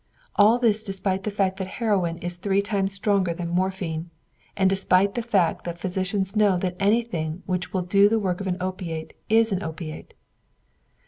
All this despite the fact that heroin is three times stronger than morphine, and despite the fact that physicians know that anything which will do the work of an opiate is an opiate.